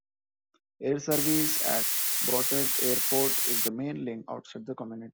Air service at Brochet Airport is the main link outside the community.